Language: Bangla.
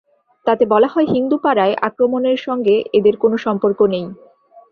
তাতে বলা হয়, হিন্দু পাড়ায় আক্রমণের সঙ্গে এদের কোনো সম্পর্ক নেই।